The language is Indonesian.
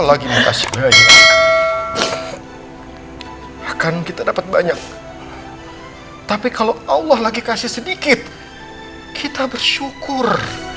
lagi akan kita dapat banyak tapi kalau allah lagi kasih sedikit kita bersyukur